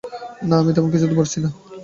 না, আমি তেমন কিছু ধারণা করছি না।